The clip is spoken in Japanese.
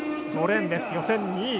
５レーンです、予選２位。